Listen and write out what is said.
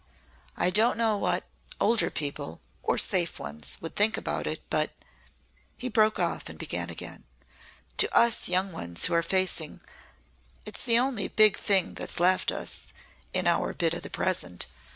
I don't know what older people or safe ones would think about it, but " He broke off and began again. "To us young ones who are facing It's the only big thing that's left us in our bit of the present.